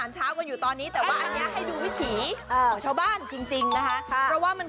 ชวนจดจำเสิร์ฟก่อน